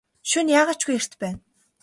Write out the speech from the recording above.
Шөнө яагаа ч үгүй эрт байна.